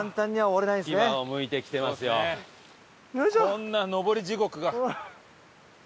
こんな上り地獄が。